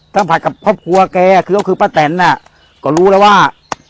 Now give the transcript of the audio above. สัมผัสกับครองฝัวแกคือเขาคือพะแตนน่ะก็รู้แล้วว่า